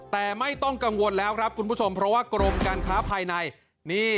แต่ไม่ต้องกังวลแล้วครับคุณผู้ชมเพราะว่ากรมการค้าภายในนี่